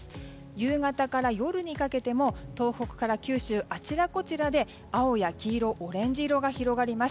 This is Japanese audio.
夕方から夜にかけても東北から九州あちらこちらで青や黄色、オレンジ色が広がります。